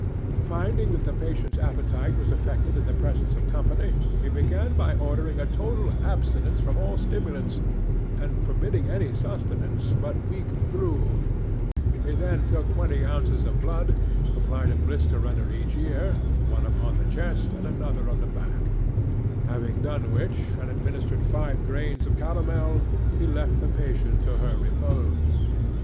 Finding that the patient's appetite was affected in the presence of company, he began by ordering a total abstinence from all stimulants, and forbidding any sustenance but weak gruel; he then took twenty ounces of blood, applied a blister under each ear, one upon the chest, and another on the back; having done which, and administered five grains of calomel, he left the patient to her repose.